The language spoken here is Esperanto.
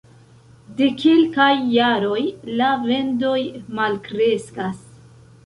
De kelkaj jaroj la vendoj malkreskas.